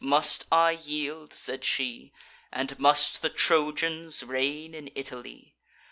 must I yield?" said she, "And must the Trojans reign in Italy?